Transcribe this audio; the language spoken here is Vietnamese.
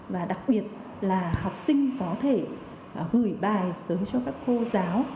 và đặc biệt là học sinh có thể gửi bài tới cho các cô giáo